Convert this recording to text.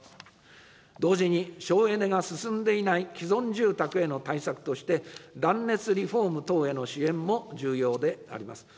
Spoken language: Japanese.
同時に、省エネが進んでいない既存住宅への対策として、断熱リフォーム等への支援も重要であります。